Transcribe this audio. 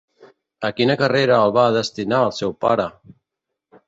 A quina carrera el va destinar el seu pare?